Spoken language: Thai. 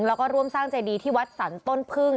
แล้วก็ร่วมสร้างเจดีที่วัดสรรต้นพึ่ง